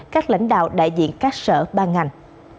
các lãnh đạo đại diện các sở ban ngành